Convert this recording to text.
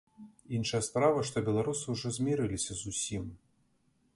Іншая справа, што беларусы ўжо змірыліся з усім.